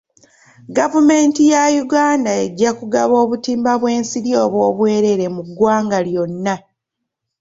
Gavumenti ya Uganda ejja kugaba obutimba bw'ensiri obw'obwereere mu ggwanga lyonna .